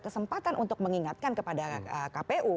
kesempatan untuk mengingatkan kepada kpu